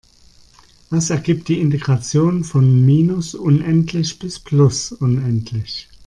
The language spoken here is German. Was ergibt die Integration von minus unendlich bis plus unendlich?